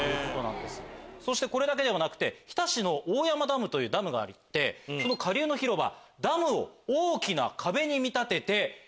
これだけではなくて日田市の大山ダムというダムがあってその下流の広場。